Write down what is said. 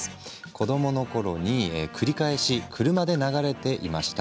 子どものころに繰り返し車で流れていました。